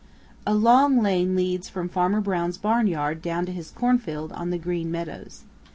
A long lane leads from Farmer Brown's barnyard down to his cornfield on the Green Meadows.